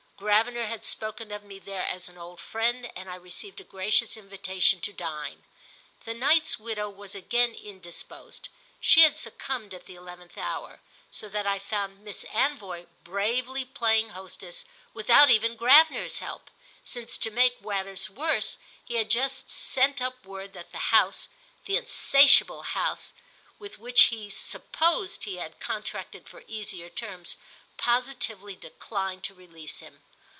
Gravener had spoken of me there as an old friend, and I received a gracious invitation to dine. The Knight's widow was again indisposed—she had succumbed at the eleventh hour; so that I found Miss Anvoy bravely playing hostess without even Gravener's help, since, to make matters worse, he had just sent up word that the House, the insatiable House, with which he supposed he had contracted for easier terms, positively declined to release him.